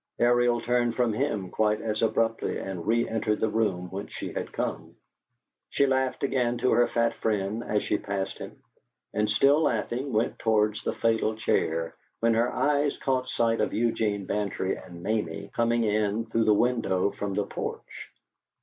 Ariel turned from him quite as abruptly and re entered the room whence she had come. She laughed again to her fat friend as she passed him, and, still laughing, went towards the fatal chair, when her eyes caught sight of Eugene Bantry and Mamie coming in through the window from the porch.